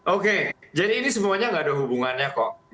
oke jadi ini semuanya gak ada hubungannya kok